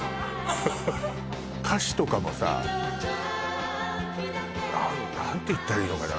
歌詞とかもさ何て言ったらいいのかな